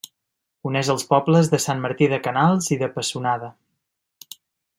Uneix els pobles de Sant Martí de Canals i de Pessonada.